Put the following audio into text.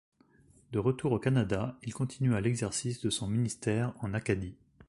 De retour au Canada, il continua l'exercice de son ministère en Acadie.